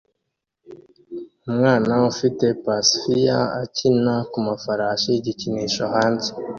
umwana ufite pacifier akina kumafarashi igikinisho hanze